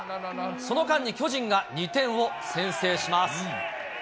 その間に巨人が２点を先制します。